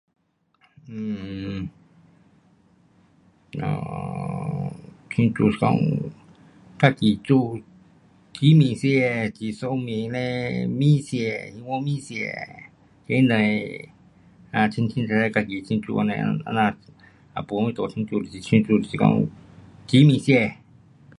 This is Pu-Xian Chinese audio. um um 庆祝生日，自己煮，煮面吃，煮面线嘞，面线，捞面吃，那样的轻轻自己庆祝这样，这样也没什么大庆祝。就是讲煮面吃。